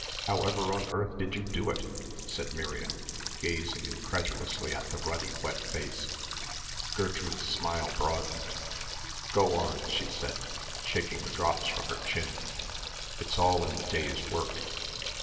"However on earth did you do it?" said Miriam, gazing incredulously at the ruddy wet face. Gertrude's smile broadened. "Go on," she said, shaking the drops from her chin, "it's all in the day's work."